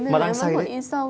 mà đang say đấy